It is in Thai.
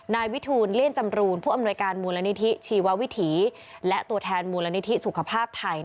นายวิทูลเลี่ยนจำรูนผู้อำนวยการมูลนิธิชีววิถีและตัวแทนมูลนิธิสุขภาพไทย